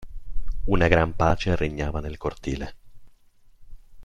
Una gran pace regnava nel cortile.